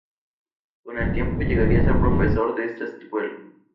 Con el tiempo llegaría a ser profesor de esta escuela.